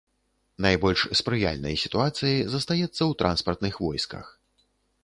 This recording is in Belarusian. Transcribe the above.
Найбольш спрыяльнай сітуацыяй застаецца ў транспартных войсках.